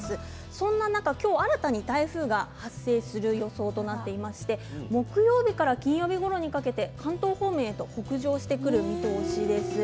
その中でも新たに台風が発生する予想となっていまして木曜日から金曜日ごろにかけて関東方面へと北上してくる見通しです。